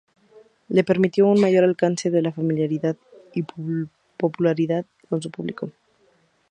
Le permitió un mayor alcance de la familiaridad y popularidad con su público.